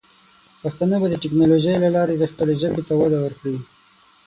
پښتانه به د ټیکنالوجۍ له لارې د خپلې ژبې ته وده ورکړي.